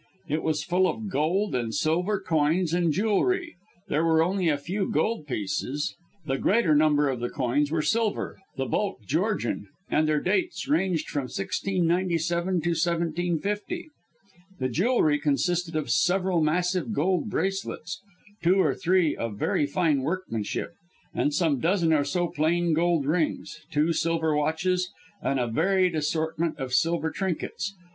It was full of gold and silver coins and jewellery; there were only a few gold pieces, the greater number of the coins were silver the bulk Georgian and their dates ranged from 1697 to 1750. The jewellery consisted of several massive gold bracelets, (two or three of very fine workmanship); some dozen or so plain gold rings; two silver watches, and a varied assortment of silver trinkets.